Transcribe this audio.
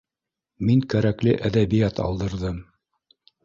— Мин кәрәкле әҙәбиәт алдырҙым